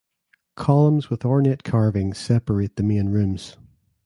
Columns with ornate carvings separate the main rooms.